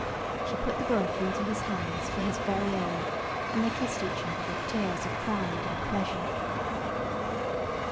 She put the book into his hands for his very own, and they kissed each other with tears of pride and pleasure.